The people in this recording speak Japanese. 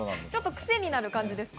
クセになる感じですか？